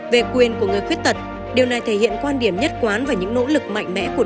về quyền của người khuyết tật điều này thể hiện quan điểm nhất quán và những nỗ lực mạnh mẽ của